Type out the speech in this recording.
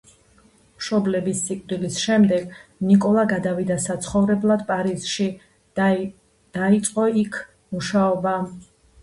მშობლების სიკვდილის შემდეგ ნიკოლა გადავიდა საცხოვრებლად პარიზში და დაიწყო იქ მუშაობა.